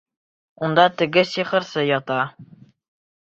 Унда теге сихырсы ята!